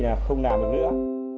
là không làm được nữa